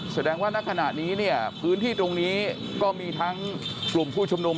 แสดงว่าณขณะนี้เนี่ยพื้นที่ตรงนี้ก็มีทั้งกลุ่มผู้ชุมนุม